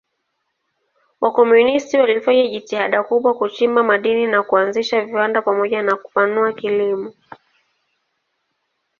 Wakomunisti walifanya jitihada kubwa kuchimba madini na kuanzisha viwanda pamoja na kupanua kilimo.